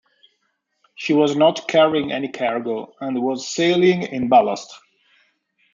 She was not carrying any cargo, and was sailing in ballast.